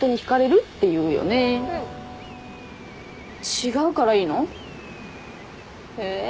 違うからいいの？え！